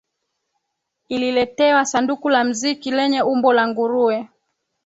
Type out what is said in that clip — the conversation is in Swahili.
aliletewa sanduku la mziki lenye umbo la nguruwe